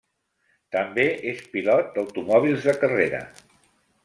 També és pilot d'automòbils de carrera.